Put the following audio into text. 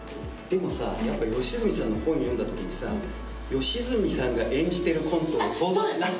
でもさやっぱ吉住さんの本読んだときにさ吉住さんが演じてるコントを想像しない？